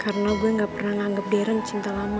karena gue gak pernah nganggep darren cinta lama